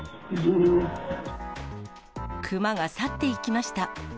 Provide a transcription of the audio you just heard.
熊が去っていきました。